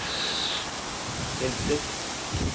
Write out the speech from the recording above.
El Tte.